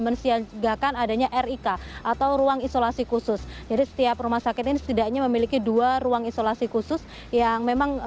mensiagakan adanya rik atau ruang isolasi khusus jadi setiap rumah sakit ini setidaknya memiliki dua ruang isolasi khusus yang memang